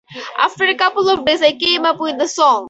After a couple of days I came up with the song.